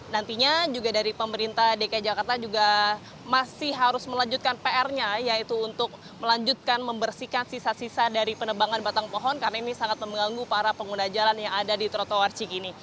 nantinya juga dari pemerintah dki jakarta juga masih harus melanjutkan pr nya yaitu untuk melanjutkan membersihkan sisa sisa dari penebangan batang pohon karena ini sangat mengganggu para pengguna jalan yang ada di trotoar cikini